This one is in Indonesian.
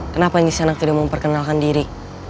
kenapa nisanak tidak memperkenalkan diri